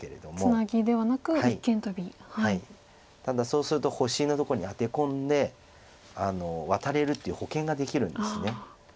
ただそうすると星のところにアテ込んでワタれるっていう保険ができるんです。